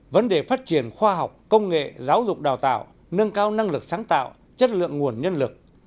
vấn đề phát triển khoa học công nghệ giáo dục đào tạo nâng cao năng lực sáng tạo chất lượng nguồn nhân lực